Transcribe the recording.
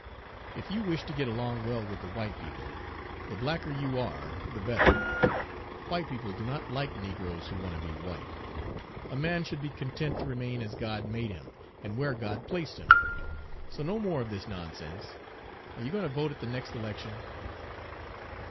If you wish to get along well with the white people, the blacker you are the better, white people do not like negroes who want to be white. A man should be content to remain as God made him and where God placed him. So no more of this nonsense. Are you going to vote at the next election?"